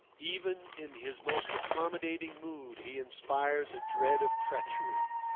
Even in his most accommodating mood he inspires a dread of treachery.